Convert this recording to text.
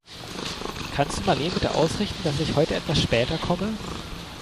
Kannst du Marleen bitte ausrichten, dass ich heute etwas später komme?